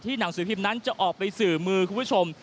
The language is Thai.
หนังสือพิมพ์นั้นจะออกไปสื่อมือคุณผู้ชม